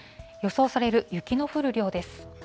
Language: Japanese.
予想される雪の降る量です。